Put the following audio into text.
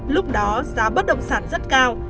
lúc đó giá bất động sản rất cao